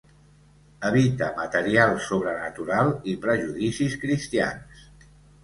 Evita material sobrenatural i prejudicis cristians.